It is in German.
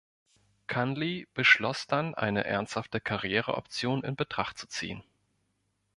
Conley beschloss dann, eine ernsthafte Karriereoption in Betracht zu ziehen.